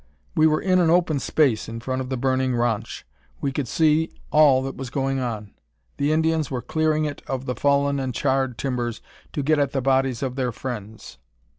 We were in an open space in front of the burning ranche. We could see all that was going on. The Indians were clearing it of the fallen and charred timbers to get at the bodies of their friends.